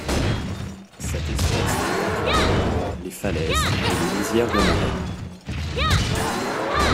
Cette espèce fréquente les prairies, les falaises et les lisières de marais.